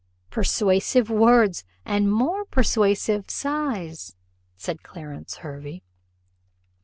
"Persuasive words and more persuasive sighs," said Clarence Hervey.